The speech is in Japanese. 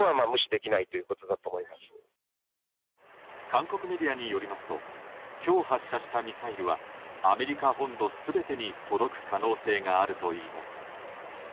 韓国メディアによりますと今日発射したミサイルはアメリカ本土全てに届く可能性があるといいます。